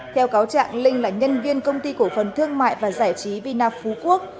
theo cáo trạng linh là nhân viên công ty cổ phần thương mại và giải trí vinap phú quốc